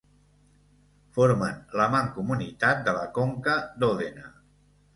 Formen la Mancomunitat de la Conca d'Òdena.